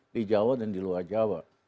di jawa dan di luar jawa